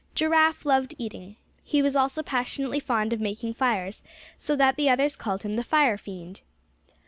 Giraffe loved eating. He was also passionately fond of making fires, so that the others called him the fire fiend.